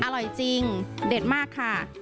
อร่อยจริงเด็ดมากค่ะ